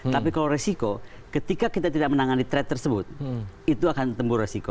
tapi kalau resiko ketika kita tidak menangani trade tersebut itu akan tembur resiko